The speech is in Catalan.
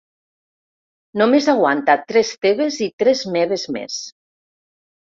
Només aguanta tres teves i tres meves més.